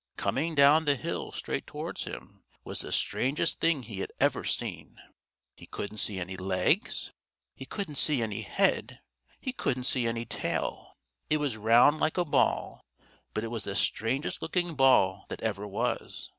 Coming down the hill straight towards him was the strangest thing he ever had seen. He couldn't see any legs. He couldn't see any head. He couldn't see any tail. It was round like a ball, but it was the strangest looking ball that ever was.